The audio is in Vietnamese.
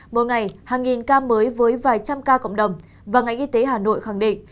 mỗi ngày hàng nghìn ca mới với vài trăm ca cộng đồng và ngành y tế hà nội khẳng định